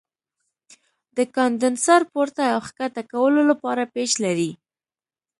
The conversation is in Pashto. د کاندنسر پورته او ښکته کولو لپاره پیچ لري.